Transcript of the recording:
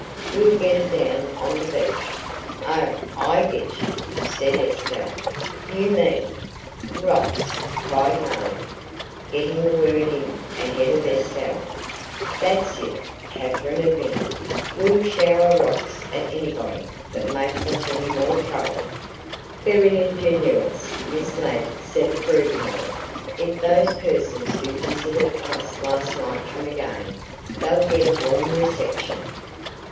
"We'll get it down on the beach." "Oh, I get you," said Estelle. "You mean " "Rocks," cried Marie, getting the word in ahead of Estelle. "That's it," Katherine admitted. "We'll shower rocks at anybody that makes us any more trouble." "Very ingenious," Miss Ladd said approvingly. "If those persons who visited us last night come again, they'll get a warm reception."